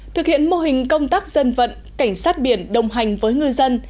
thực hiện mô hình công tác dân vận cảnh sát biển đồng hành với ngư dân